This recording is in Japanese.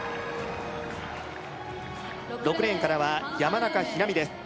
６レーンからは山中日菜美です